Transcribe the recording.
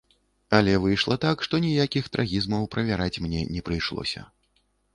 Але выйшла так, што ніякіх трагізмаў правяраць мне не прыйшлося.